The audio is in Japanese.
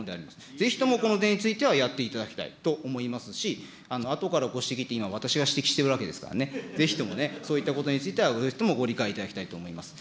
ぜひともこの点についてはやっていただきたいと思いますし、あとからご指摘って、今、私が指摘しているわけですからね、ぜひともね、そういったことについてはぜひともご理解いただきたいと思います。